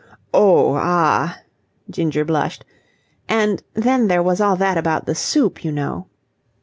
"Oh, ah!" Ginger blushed. "And then there was all that about the soup, you know."